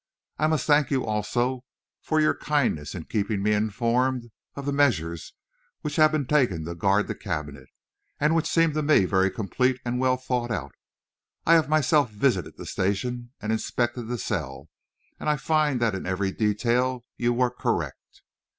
I must thank you, also, for your kindness in keeping me informed of the measures which have been taken to guard the cabinet, and which seem to me very complete and well thought out. I have myself visited the station and inspected the cell, and I find that in every detail you were correct.